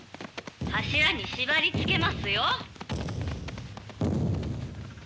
柱に縛りつけますよ。